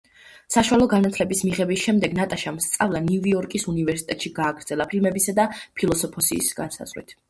საშუალო განათლების მიღების შემდეგ ნატაშამ სწავლა ნიუ იორკის უნივერსიტეტში გააგრძელა ფილმებისა და ფილოსოფიის განხრით.